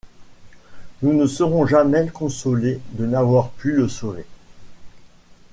Nous ne serons jamais consolés de n'avoir pu le sauver.